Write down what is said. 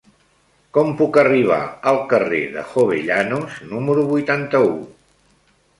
Com puc arribar al carrer de Jovellanos número vuitanta-u?